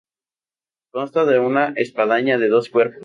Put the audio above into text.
Consta de una espadaña de dos cuerpos.